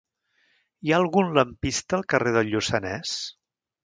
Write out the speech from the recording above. Hi ha algun lampista al carrer del Lluçanès?